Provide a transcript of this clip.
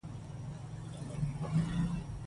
د شپې له خوا د ډېرې رڼا څخه ډډه وکړئ.